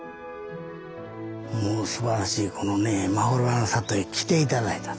もうすばらしいこのまほろばの里へ来て頂いたと。